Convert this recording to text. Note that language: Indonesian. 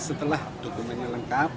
setelah dokumennya lengkap